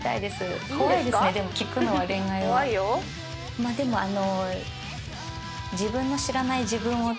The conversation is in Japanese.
まあでもあの。